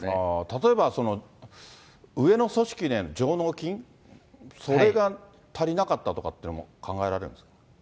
例えば、上の組織への上納金、それが足りなかったとかっていうのも考えられるんですか。